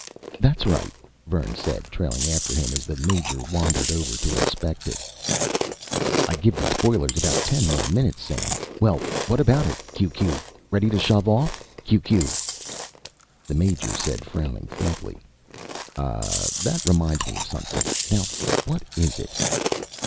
"That's right," Vern said, trailing after him as the Major wandered over to inspect it. I GIVE THOSE BOILERS ABOUT TEN MORE MINUTES SAM WELL WHAT ABOUT IT Q Q READY TO SHOVE OFF Q Q The Major said, frowning faintly: "Ah, that reminds me of something. Now what is it?"